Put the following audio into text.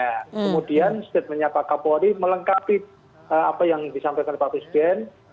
kemudian statementnya pak kapolri melengkapi apa yang disampaikan pak presiden